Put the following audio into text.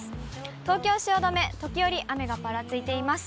東京・汐留、時折雨がぱらついています。